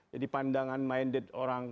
jadi pandangan mind it orang